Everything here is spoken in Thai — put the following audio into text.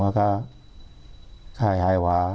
ซึ่งไม่ได้เจอกันบ่อย